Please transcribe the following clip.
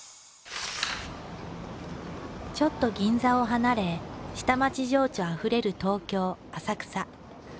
ちょっと銀座を離れ下町情緒あふれる東京浅草。